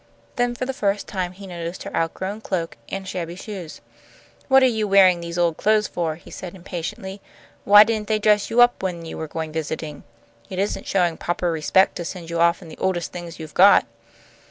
Then for the first time he noticed her outgrown cloak and shabby shoes. "What are you wearing these old clothes for?" he said, impatiently. "Why didn't they dress you up when you were going visiting? It isn't showing proper respect to send you off in the oldest things you've got."